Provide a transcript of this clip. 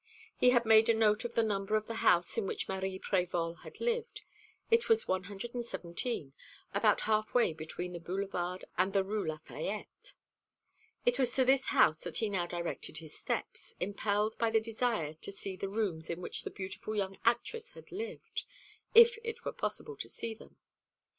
He had made a note of the number of the house in which Marie Prévol had lived. It was 117, about half way between the Boulevard and the Rue Lafayette. It was to this house that he now directed his steps, impelled by the desire to see the rooms in which the beautiful young actress had lived if it were possible to see them.